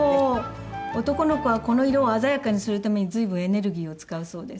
男の子はこの色を鮮やかにするために随分エネルギーを使うそうです。